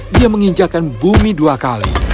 dia menginjakan bumi dua kali